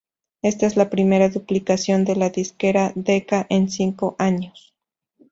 Esta es la primera publicación de la disquera Decca en cinco años.